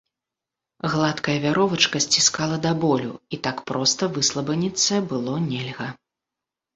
Гладкая вяровачка сціскала да болю, і так проста выслабаніцца было нельга.